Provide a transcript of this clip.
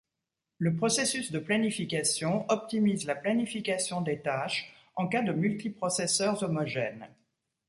Le processus de planification optimise la planification des tâches en cas de multiprocesseurs homogènes.